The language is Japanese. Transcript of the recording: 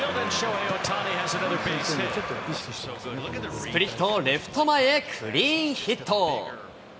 スプリットをレフト前へクリーンヒット。